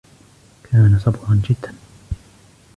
كان صبوراً جداً.